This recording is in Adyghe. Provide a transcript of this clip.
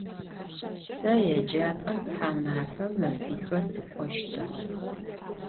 Se yêcap'em thamafem mefixe sık'oştığe.